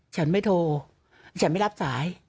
ฉันไม่โทรฉันไม่รับสาย